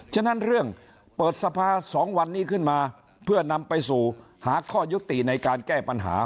ฉะนั้นเรื่องเปิดสภา๒วันนี้ขึ้นมาเพื่อนำไปสู่หาข้อยุติในการแก้ปัญหา